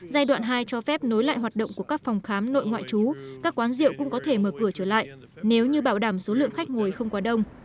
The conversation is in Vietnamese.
giai đoạn hai cho phép nối lại hoạt động của các phòng khám nội ngoại trú các quán rượu cũng có thể mở cửa trở lại nếu như bảo đảm số lượng khách ngồi không quá đông